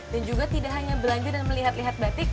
dan juga tidak hanya belanja dan melihat lihat batik